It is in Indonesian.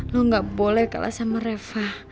lo gak boleh kalah sama reva